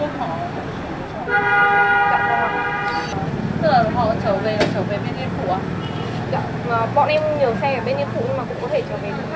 bằng tường ấy ạ gà nhỏ của trung quốc